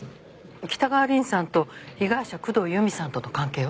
北川凛さんと被害者工藤由美さんとの関係は？